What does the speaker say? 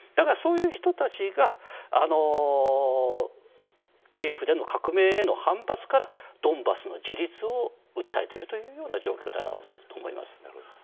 そういう人たちがキエフでの革命への反発からドンバスの自立を訴えてるというような状況だろうと思います。